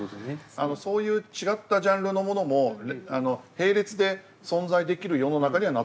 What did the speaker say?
そういう違ったジャンルのものも並列で存在できる世の中にはなってきたと思いますね。